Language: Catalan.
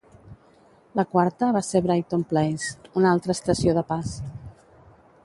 La quarta va ser Brighton Place, una altra estació de pas.